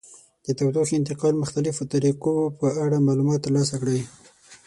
د تودوخې انتقال مختلفو طریقو په اړه معلومات ترلاسه کړئ.